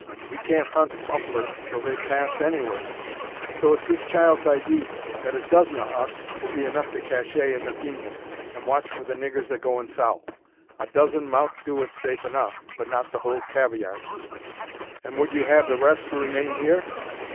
We kan't hunt buffler till they've passed, anyways. So it's this child's idee that a dozen o' us 'll be enough to `cacher' in the Peenyun, and watch for the niggurs a goin' south. A dozen mout do it safe enough, but not the hul cavayard." "And would you have the rest to remain here?"